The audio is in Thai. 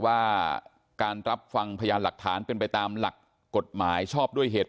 ว่าการรับฟังพยานหลักฐานเป็นไปตามหลักกฎหมายชอบด้วยเหตุ